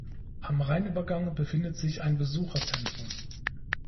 Am Rheinübergang befindet sich ein Besucherzentrum.